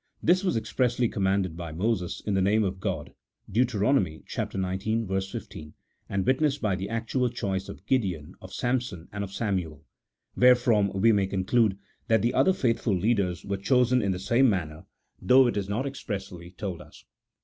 This was expressly commanded by Moses in the name of God (Deut. xix. 15), and witnessed by the actual choice of Gideon, of Samson, and of Samuel ; wherefrom we may conclude that the other faithful leaders were chosen in the same manner, though it is not expressly told us.